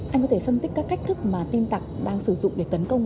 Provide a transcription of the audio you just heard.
anh có thể phân tích các cách thức mà tin tặc đang sử dụng để tấn công